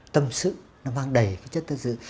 tâm sự nó mang đầy cái chất tâm sự